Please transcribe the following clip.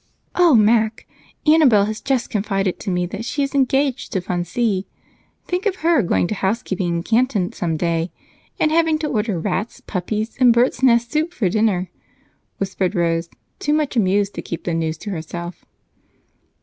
"Oh, Mac! Annabel has just confided to me that she is engaged to Fun See! Think of her going to housekeeping in Canton someday and having to order rats, puppies, and bird's nest soup for dinner," whispered Rose, too much amused to keep the news to herself.